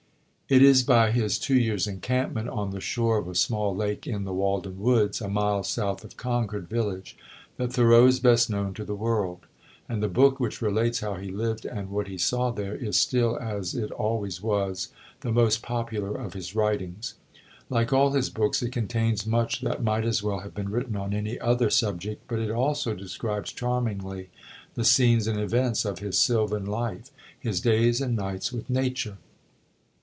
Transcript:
It is by his two years' encampment on the shore of a small lake in the Walden woods, a mile south of Concord village, that Thoreau is best known to the world; and the book which relates how he lived and what he saw there is still, as it always was, the most popular of his writings. Like all his books, it contains much that might as well have been written on any other subject; but it also describes charmingly the scenes and events of his sylvan life, his days and nights with Nature.